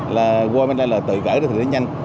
là qua bên đây là tự cởi ra thì nó nhanh